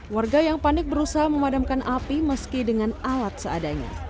warga yang panik berusaha memadamkan api meski dengan alat seadanya